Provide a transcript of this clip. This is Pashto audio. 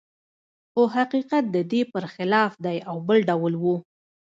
خو حقیقت د دې پرخلاف دی او بل ډول و